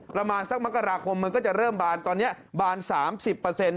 ประมาณสักมกราคมมันก็จะเริ่มบานตอนนี้บาน๓๐เปอร์เซ็นต